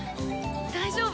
大丈夫。